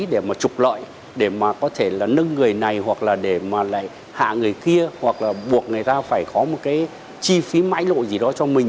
để mà trục lợi để mà có thể là nâng người này hoặc là để mà lại hạ người kia hoặc là buộc người ta phải có một cái chi phí mãi lộ gì đó cho mình